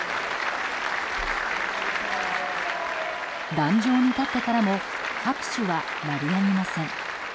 壇上に立ってからも拍手は鳴りやみません。